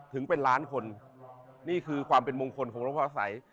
ถึงเป็นล้านคนนี่คือความเป็นมงคลของหลวงพ่ออาศัย